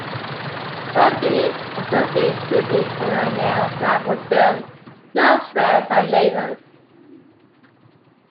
Glaudini also appeared briefly in the Neil LaBute film, "Your Friends and Neighbors".